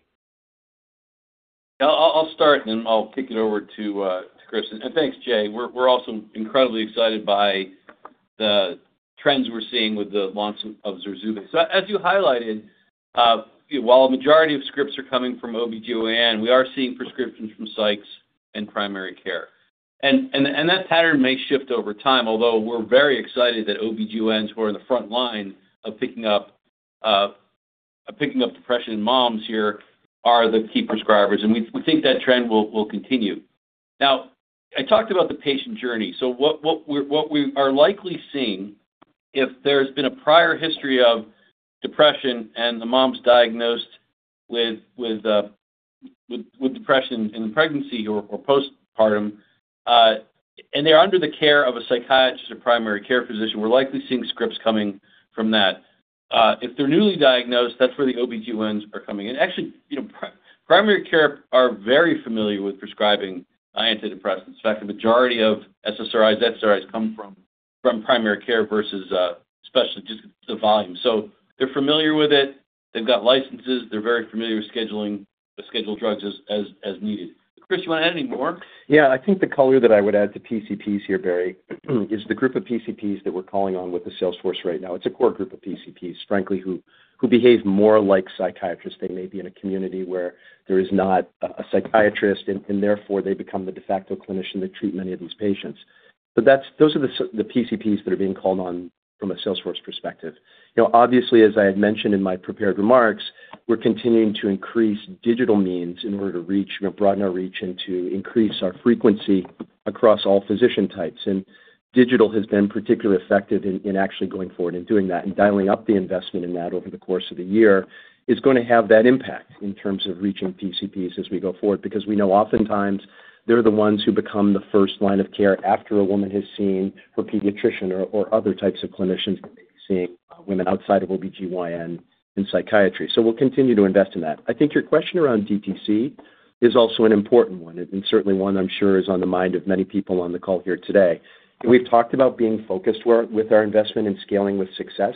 [SPEAKER 3] I'll start, and then I'll kick it over to Chris. And thanks, Jay. We're also incredibly excited by the trends we're seeing with the launch of ZURZUVAE. So as you highlighted, while a majority of scripts are coming from OBGYN, we are seeing prescriptions from psychs and primary care. And that pattern may shift over time, although we're very excited that OBGYNs, who are in the front line of picking up depression in moms here, are the key prescribers, and we think that trend will continue. Now, I talked about the patient journey. So what we are likely seeing, if there's been a prior history of depression and the mom's diagnosed with depression in pregnancy or postpartum, and they're under the care of a psychiatrist or primary care physician, we're likely seeing scripts coming from that. If they're newly diagnosed, that's where the OBGYNs are coming in. Actually, you know, primary care are very familiar with prescribing antidepressants. In fact, the majority of SSRIs, SNRIs come from primary care versus, especially just the volume. So they're familiar with it, they've got licenses, they're very familiar with scheduling the scheduled drugs as needed. Chris, you want to add any more?
[SPEAKER 4] Yeah, I think the color that I would add to PCPs here, Barry, is the group of PCPs that we're calling on with the sales force right now. It's a core group of PCPs, frankly, who behave more like psychiatrists. They may be in a community where there is not a psychiatrist, and therefore they become the de facto clinician to treat many of these patients. But that's... Those are the PCPs that are being called on from a sales force perspective. You know, obviously, as I had mentioned in my prepared remarks, we're continuing to increase digital means in order to reach, you know, broaden our reach and to increase our frequency across all physician types. Digital has been particularly effective in actually going forward and doing that, and dialing up the investment in that over the course of the year is going to have that impact in terms of reaching PCPs as we go forward, because we know oftentimes they're the ones who become the first line of care after a woman has seen her pediatrician or other types of clinicians that may be seeing women outside of OBGYN and psychiatry. So we'll continue to invest in that. I think your question around DTC is also an important one, and certainly one I'm sure is on the mind of many people on the call here today. We've talked about being focused with our investment and scaling with success.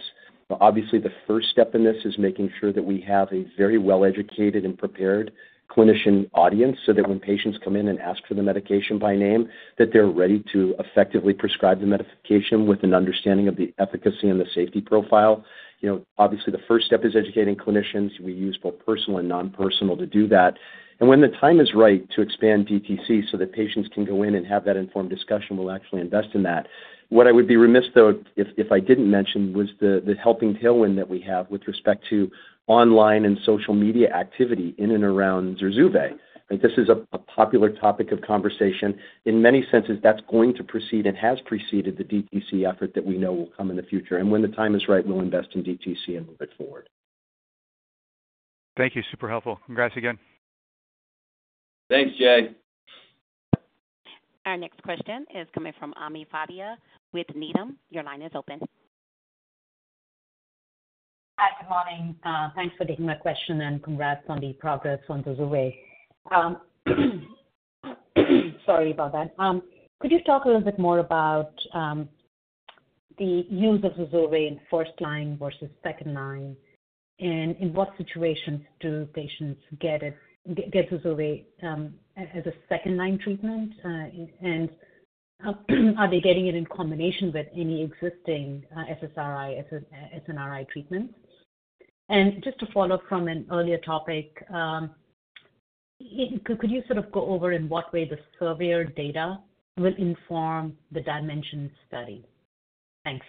[SPEAKER 4] But obviously, the first step in this is making sure that we have a very well-educated and prepared clinician audience, so that when patients come in and ask for the medication by name, that they're ready to effectively prescribe the medication with an understanding of the efficacy and the safety profile. You know, obviously, the first step is educating clinicians. We use both personal and non-personal to do that. And when the time is right to expand DTC so that patients can go in and have that informed discussion, we'll actually invest in that. What I would be remiss, though, if I didn't mention, was the helping tailwind that we have with respect to online and social media activity in and around ZURZUVAE. I think this is a popular topic of conversation. In many senses, that's going to proceed and has preceded the DTC effort that we know will come in the future. When the time is right, we'll invest in DTC and move it forward.
[SPEAKER 13] Thank you. Super helpful. Congrats again.
[SPEAKER 3] Thanks, Jay.
[SPEAKER 1] Our next question is coming from Ami Fadia with Needham. Your line is open.
[SPEAKER 14] Hi, good morning. Thanks for taking my question, and congrats on the progress on ZURZUVAE. Sorry about that. Could you talk a little bit more about the use of ZURZUVAE in first line versus second line? And in what situations do patients get it, get ZURZUVAE, as a second line treatment? And how are they getting it in combination with any existing SSRI, SNRI treatments? Just to follow up from an earlier topic, could you sort of go over in what way the surveyor data will inform the DIMENSION study? Thanks.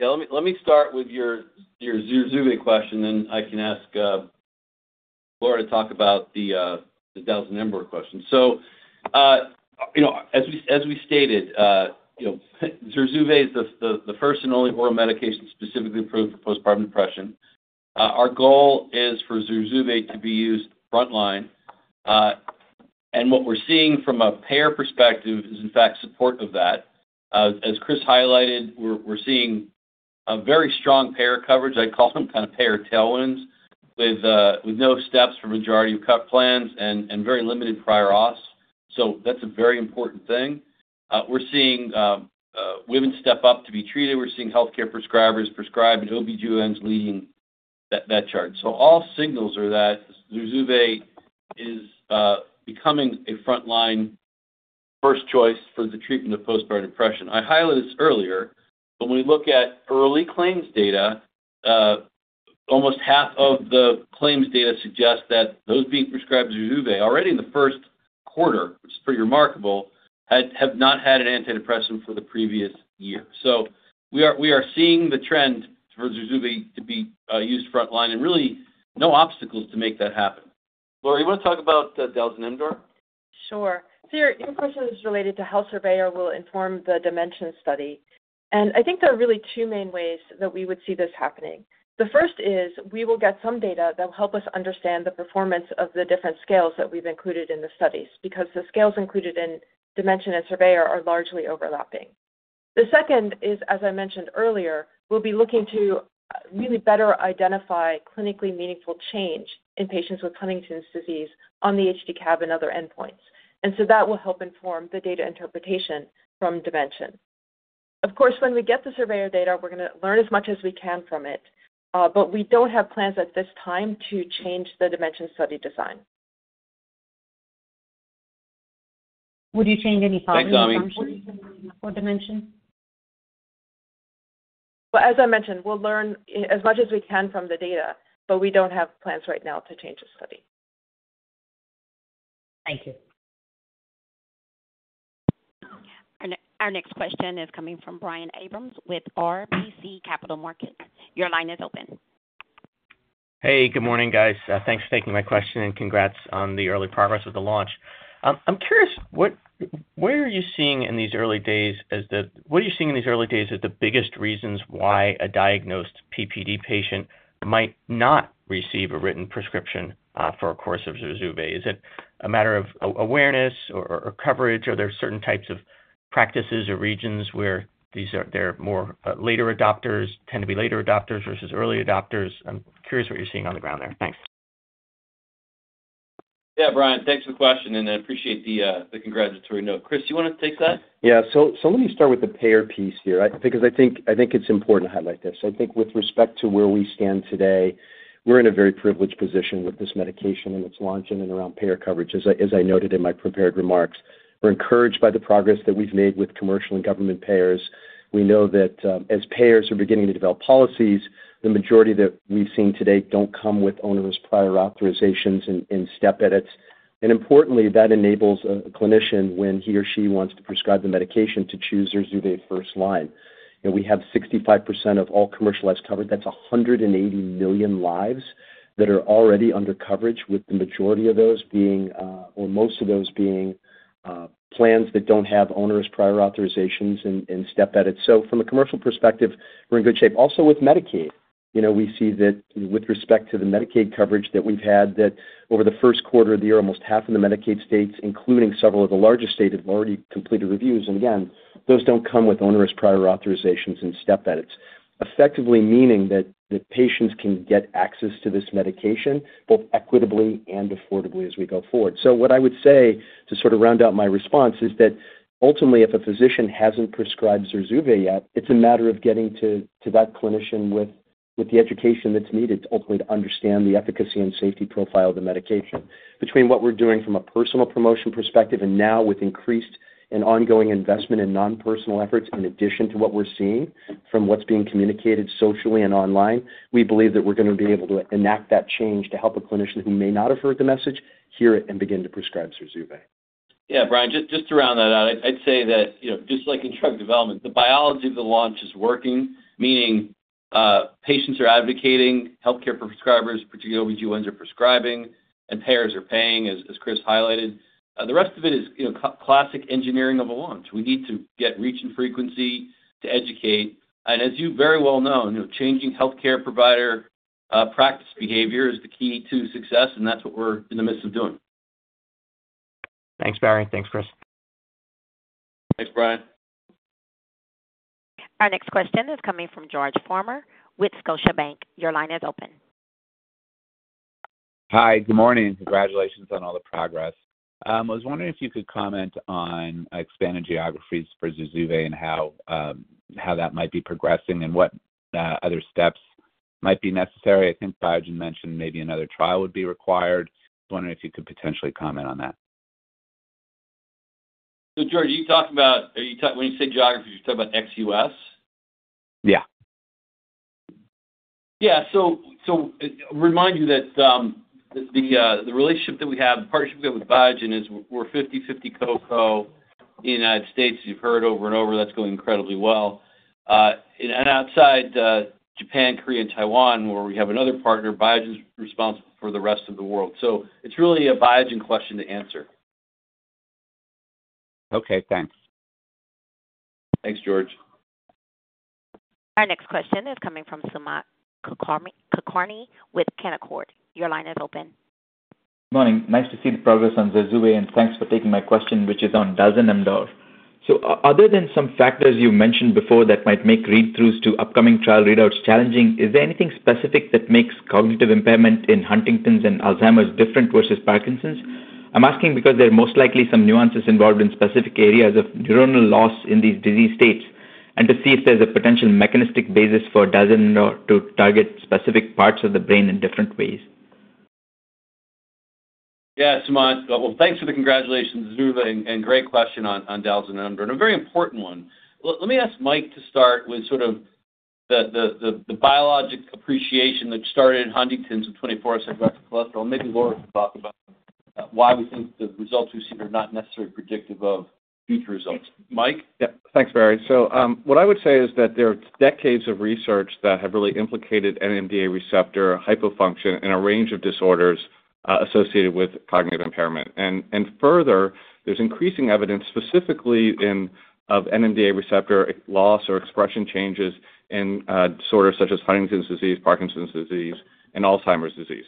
[SPEAKER 3] Yeah, let me, let me start with your, your ZURZUVAE question, then I can ask Laura to talk about the dalzanemdor question. So, you know, as we, as we stated, you know, ZURZUVAE is the, the, the first and only oral medication specifically approved for postpartum depression. Our goal is for ZURZUVAE to be used frontline. And what we're seeing from a payer perspective is, in fact, support of that. As Chris highlighted, we're, we're seeing a very strong payer coverage. I call them kind of payer tailwinds, with no steps for majority of cut plans and very limited prior auths. So that's a very important thing. We're seeing women step up to be treated. We're seeing healthcare prescribers prescribe, and OBGYNs leading that charge. So all signals are that ZURZUVAE is becoming a frontline first choice for the treatment of postpartum depression. I highlighted this earlier, but when we look at early claims data, almost half of the claims data suggest that those being prescribed ZURZUVAE already in the first quarter, which is pretty remarkable, have not had an antidepressant for the previous year. So we are seeing the trend for ZURZUVAE to be used frontline and really no obstacles to make that happen. Laura, you want to talk about the dalzanemdor?
[SPEAKER 5] Sure. So your question is related to how Surveyor will inform the DIMENSION study, and I think there are really two main ways that we would see this happening. The first is, we will get some data that will help us understand the performance of the different scales that we've included in the studies, because the scales included in Dimension and Surveyor are largely overlapping. The second is, as I mentioned earlier, we'll be looking to really better identify clinically meaningful change in patients with Huntington's disease on the HD-CAB and other endpoints. And so that will help inform the data interpretation from Dimension. Of course, when we get the Surveyor data, we're going to learn as much as we can from it, but we don't have plans at this time to change the DIMENSION study design.
[SPEAKER 14] Would you change any positive function for dimension?
[SPEAKER 3] Thanks, Ami
[SPEAKER 5] Well, as I mentioned, we'll learn as much as we can from the data, but we don't have plans right now to change the study.
[SPEAKER 14] Thank you.
[SPEAKER 1] Our next question is coming from Brian Abrahams with RBC Capital Markets. Your line is open.
[SPEAKER 15] Hey, good morning, guys. Thanks for taking my question, and congrats on the early progress of the launch. I'm curious, what are you seeing in these early days as the biggest reasons why a diagnosed PPD patient might not receive a written prescription for a course of ZURZUVAE? Is it a matter of awareness or coverage? Are there certain types of practices or regions where they're more later adopters, tend to be later adopters versus early adopters? I'm curious what you're seeing on the ground there. Thanks.
[SPEAKER 3] Yeah, Brian, thanks for the question, and I appreciate the, the congratulatory note. Chris, you want to take that?
[SPEAKER 4] Yeah. So let me start with the payer piece here, I think, 'cause I think it's important to highlight this. I think with respect to where we stand today, we're in a very privileged position with this medication and its launching and around payer coverage. As I noted in my prepared remarks, we're encouraged by the progress that we've made with commercial and government payers. We know that, as payers are beginning to develop policies, the majority that we've seen to date don't come with onerous prior authorizations and step edits. And importantly, that enables a clinician when he or she wants to prescribe the medication, to choose ZURZUVAE first line. And we have 65% of all commercial coverage. That's 180 million lives that are already under coverage, with the majority of those being, or most of those being, plans that don't have onerous prior authorizations and, and step edits. So from a commercial perspective, we're in good shape. Also with Medicaid, you know, we see that with respect to the Medicaid coverage that we've had, that over the first quarter of the year, almost half of the Medicaid states, including several of the largest states, have already completed reviews. And again, those don't come with onerous prior authorizations and step edits, effectively meaning that the patients can get access to this medication both equitably and affordably as we go forward. So what I would say, to sort of round out my response, is that ultimately, if a physician hasn't prescribed ZURZUVAE yet, it's a matter of getting to that clinician with the education that's needed to ultimately understand the efficacy and safety profile of the medication. Between what we're doing from a personal promotion perspective and now with increased and ongoing investment in non-personal efforts, in addition to what we're seeing from what's being communicated socially and online, we believe that we're going to be able to enact that change to help a clinician who may not have heard the message, hear it and begin to prescribe ZURZUVAE.
[SPEAKER 3] Yeah, Brian, just to round that out, I'd say that, you know, just like in drug development, the biology of the launch is working, meaning patients are advocating, healthcare prescribers, particularly OBGYNs, are prescribing, and payers are paying, as Chris highlighted. The rest of it is, you know, classic engineering of a launch. We need to get reach and frequency to educate. And as you very well know, you know, changing healthcare provider practice behavior is the key to success, and that's what we're in the midst of doing.
[SPEAKER 15] Thanks, Barry. Thanks, Chris.
[SPEAKER 3] Thanks, Brian.
[SPEAKER 1] Our next question is coming from George Farmer with Scotiabank. Your line is open.
[SPEAKER 16] Hi, good morning. Congratulations on all the progress. I was wondering if you could comment on expanding geographies for ZURZUVAE and how that might be progressing and what other steps might be necessary. I think Biogen mentioned maybe another trial would be required? I was wondering if you could potentially comment on that.
[SPEAKER 3] So George, are you talking about, when you say geographies, you're talking about ex-US?
[SPEAKER 16] Yeah.
[SPEAKER 3] Yeah, so, remind you that the relationship that we have, the partnership that with Biogen is we're 50/50 co-co in the United States. You've heard over and over, that's going incredibly well. And outside Japan, Korea, and Taiwan, where we have another partner, Biogen's responsible for the rest of the world. So it's really a Biogen question to answer.
[SPEAKER 16] Okay, thanks.
[SPEAKER 3] Thanks, George.
[SPEAKER 1] Our next question is coming from Sumant Kulkarni with Canaccord. Your line is open.
[SPEAKER 17] Good morning. Nice to see the progress on ZURZUVAE, and thanks for taking my question, which is on dalzanemdor. So other than some factors you mentioned before that might make read-throughs to upcoming trial readouts challenging, is there anything specific that makes cognitive impairment in Huntington's and Alzheimer's different versus Parkinson's? I'm asking because there are most likely some nuances involved in specific areas of neuronal loss in these disease states, and to see if there's a potential mechanistic basis for dalzanemdor to target specific parts of the brain in different ways.
[SPEAKER 3] Yeah, Sumant. Well, thanks for the congratulations, ZURZUVAE, and great question on dalzanemdor, and a very important one. Let me ask Mike to start with sort of the biologic appreciation that started in Huntington's with 24S-hydroxycholesterol, and maybe Laura can talk about why we think the results we've seen are not necessarily predictive of future results. Mike?
[SPEAKER 18] Yeah. Thanks, Barry. So, what I would say is that there are decades of research that have really implicated NMDA receptor hypofunction in a range of disorders associated with cognitive impairment. And further, there's increasing evidence, specifically in, of NMDA receptor loss or expression changes in disorders such as Huntington's disease, Parkinson's disease, and Alzheimer's disease.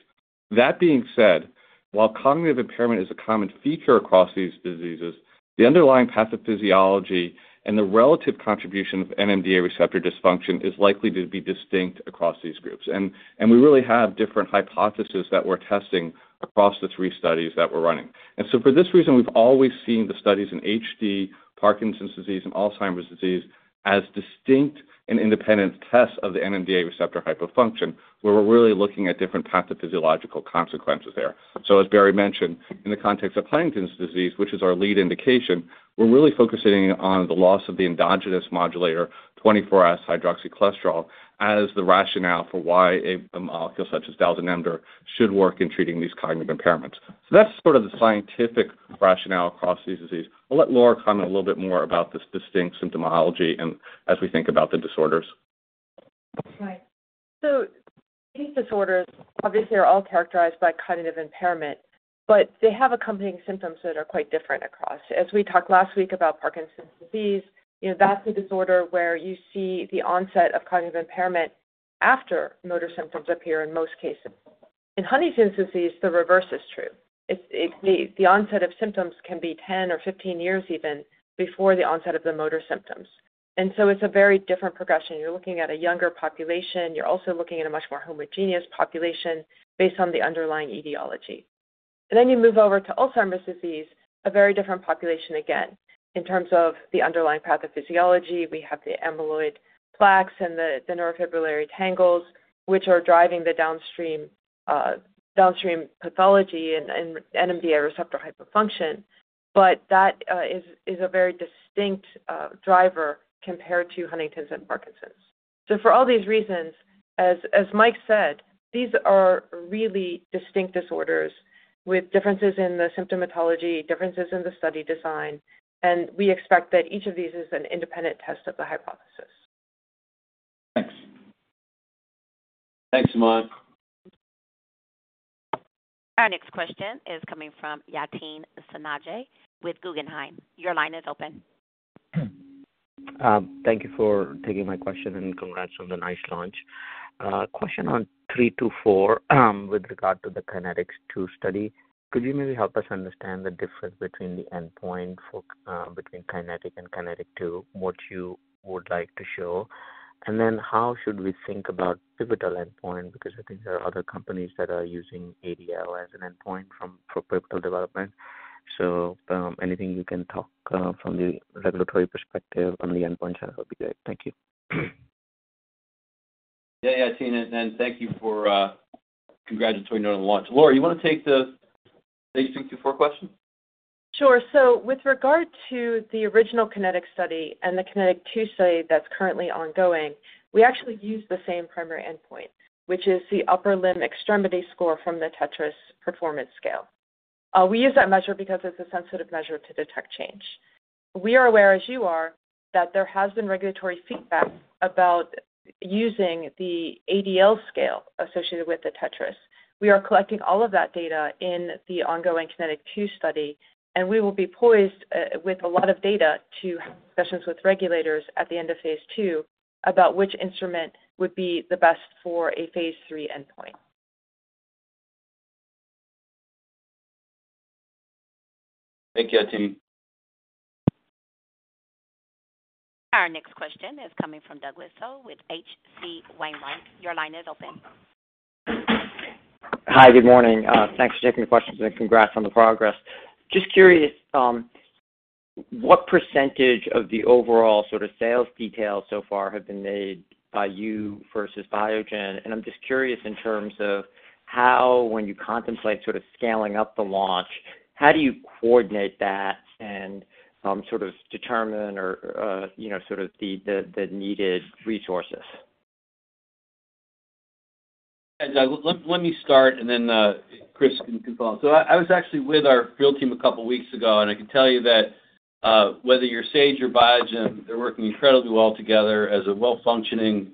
[SPEAKER 18] That being said, while cognitive impairment is a common feature across these diseases, the underlying pathophysiology and the relative contribution of NMDA receptor dysfunction is likely to be distinct across these groups. And we really have different hypotheses that we're testing across the three studies that we're running. And so for this reason, we've always seen the studies in HD, Parkinson's disease, and Alzheimer's disease as distinct and independent tests of the NMDA receptor hypofunction, where we're really looking at different pathophysiological consequences there. So as Barry mentioned, in the context of Huntington's disease, which is our lead indication, we're really focusing on the loss of the endogenous modulator, 24S-hydroxycholesterol, as the rationale for why a molecule such as dalzanemdor should work in treating these cognitive impairments. So that's sort of the scientific rationale across these disease. I'll let Laura comment a little bit more about this distinct symptomology and as we think about the disorders.
[SPEAKER 5] Right. So these disorders obviously are all characterized by cognitive impairment, but they have accompanying symptoms that are quite different across. As we talked last week about Parkinson's disease, you know, that's a disorder where you see the onset of cognitive impairment after motor symptoms appear in most cases. In Huntington's disease, the reverse is true. It's the onset of symptoms can be 10 or 15 years even before the onset of the motor symptoms. And so it's a very different progression. You're looking at a younger population. You're also looking at a much more homogeneous population based on the underlying etiology. Then you move over to Alzheimer's disease, a very different population again. In terms of the underlying pathophysiology, we have the amyloid plaques and the neurofibrillary tangles, which are driving the downstream pathology and NMDA receptor hypofunction. But that is a very distinct driver compared to Huntington's and Parkinson's. So for all these reasons, as Mike said, these are really distinct disorders with differences in the symptomatology, differences in the study design, and we expect that each of these is an independent test of the hypothesis.
[SPEAKER 17] Thanks.
[SPEAKER 3] Thanks, Sumant.
[SPEAKER 1] Our next question is coming from Yatin Suneja with Guggenheim. Your line is open.
[SPEAKER 19] Thank you for taking my question, and congrats on the nice launch. Question on 324, with regard to the KINETIC 2 Study. Could you maybe help us understand the difference between the endpoint for between KINETIC and KINETIC 2, what you would like to show? And then how should we think about pivotal endpoint? Because I think there are other companies that are using ADL as an endpoint from for pivotal development. So, anything you can talk from the regulatory perspective on the endpoints, that would be great. Thank you.
[SPEAKER 3] Yeah, Yatin, and thank you for congratulatory note on the launch. Laura, you want to take the phase 3 to 4 question?
[SPEAKER 5] Sure. So with regard to the original KINETIC Study and the KINETIC 2 Study that's currently ongoing, we actually use the same primary endpoint, which is the upper limb extremity score from the TETRAS performance scale. We use that measure because it's a sensitive measure to detect change. We are aware, as you are, that there has been regulatory feedback about using the ADL scale associated with the TETRAS. We are collecting all of that data in the ongoing KINETIC 2 Study, and we will be poised, with a lot of data to have sessions with regulators at the end of phase 2 about which instrument would be the best for a phase 3 endpoint.
[SPEAKER 3] Thank you, Yatin.
[SPEAKER 1] Our next question is coming from Douglas Tsao with H.C. Wainwright. Your line is open.
[SPEAKER 20] Hi, good morning. Thanks for taking the questions and congrats on the progress. Just curious, what percentage of the overall sort of sales details so far have been made by you versus Biogen? And I'm just curious in terms of how, when you contemplate sort of scaling up the launch, how do you coordinate that and, sort of determine or, you know, sort of the needed resources?
[SPEAKER 3] Let me start, and then Chris can follow. So I was actually with our field team a couple weeks ago, and I can tell you that whether you're Sage or Biogen, they're working incredibly well together as a well-functioning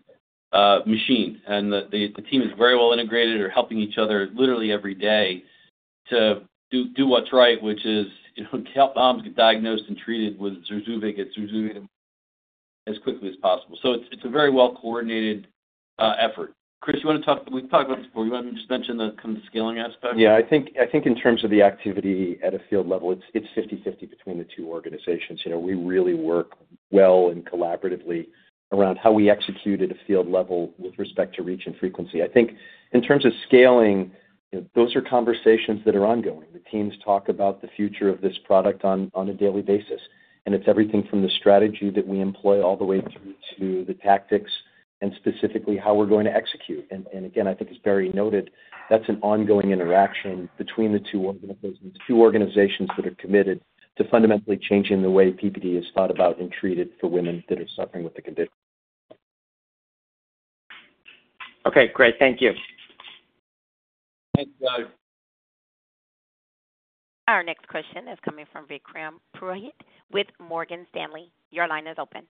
[SPEAKER 3] machine. And the team is very well integrated, are helping each other literally every day to do what's right, which is, you know, help moms get diagnosed and treated with ZURZUVAE, get ZURZUVAE as quickly as possible. So it's a very well-coordinated effort. Chris, you wanna talk? We've talked about this before. You want to just mention the kind of scaling aspect?
[SPEAKER 4] Yeah, I think, I think in terms of the activity at a field level, it's, it's 50/50 between the two organizations. You know, we really work well and collaboratively around how we execute at a field level with respect to reach and frequency. I think in terms of scaling, those are conversations that are ongoing. The teams talk about the future of this product on, on a daily basis, and it's everything from the strategy that we employ all the way through to the tactics and specifically how we're going to execute. And, and again, I think as Barry noted, that's an ongoing interaction between the two organizations, two organizations that are committed to fundamentally changing the way PPD is thought about and treated for women that are suffering with the condition.
[SPEAKER 20] Okay, great. Thank you.
[SPEAKER 3] Thanks, Doug.
[SPEAKER 1] Our next question is coming from Vikram Purohit with Morgan Stanley. Your line is open.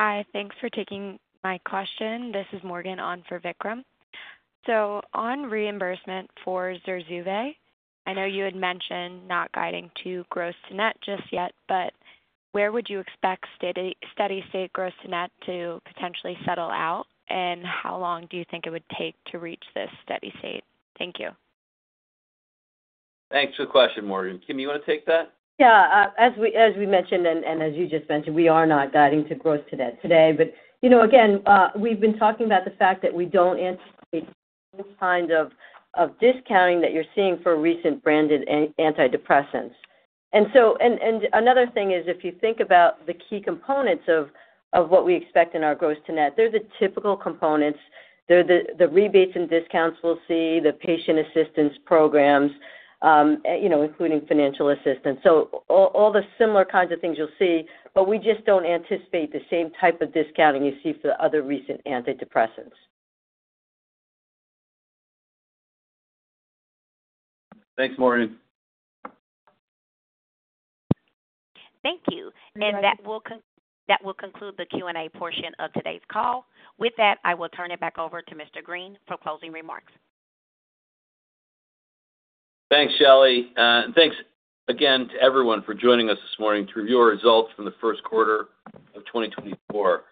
[SPEAKER 21] Hi, thanks for taking my question. This is Morgan on for Vikram. On reimbursement for ZURZUVAE, I know you had mentioned not guiding to gross to net just yet, but where would you expect steady, steady state gross to net to potentially settle out? And how long do you think it would take to reach this steady state? Thank you.
[SPEAKER 3] Thanks for the question, Morgan. Kim, you wanna take that?
[SPEAKER 6] Yeah, as we mentioned, and as you just mentioned, we are not guiding to growth to net today. But, you know, again, we've been talking about the fact that we don't anticipate the kind of discounting that you're seeing for recent branded antidepressants. And so. And another thing is, if you think about the key components of what we expect in our gross to net, they're the typical components. They're the rebates and discounts we'll see, the patient assistance programs, you know, including financial assistance. So all the similar kinds of things you'll see, but we just don't anticipate the same type of discounting you see for the other recent antidepressants.
[SPEAKER 3] Thanks, Morgan.
[SPEAKER 1] Thank you. That will conclude the Q&A portion of today's call. With that, I will turn it back over to Mr. Greene for closing remarks.
[SPEAKER 3] Thanks, Shelly. Thanks again to everyone for joining us this morning to review our results from the first quarter of 2024.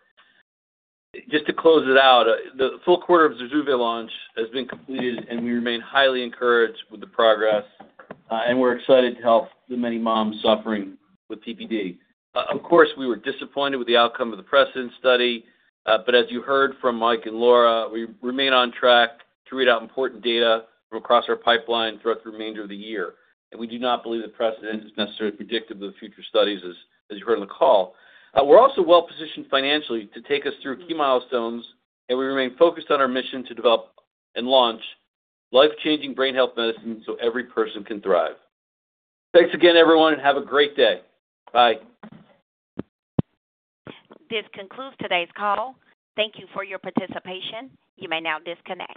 [SPEAKER 3] Just to close it out, the full quarter of ZURZUVAE launch has been completed, and we remain highly encouraged with the progress, and we're excited to help the many moms suffering with PPD. Of course, we were disappointed with the outcome of the PRECEDENT Study, but as you heard from Mike and Laura, we remain on track to read out important data from across our pipeline throughout the remainder of the year. We do not believe that PRECEDENT is necessarily predictive of future studies, as you heard on the call. We're also well positioned financially to take us through key milestones, and we remain focused on our mission to develop and launch life-changing brain health medicines so every person can thrive. Thanks again, everyone, and have a great day. Bye.
[SPEAKER 1] This concludes today's call. Thank you for your participation. You may now disconnect.